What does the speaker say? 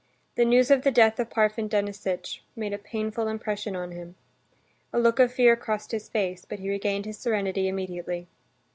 The news of the death of Parfen Denisitch made a painful impression on him. A look of fear crossed his face, but he regained his serenity immediately.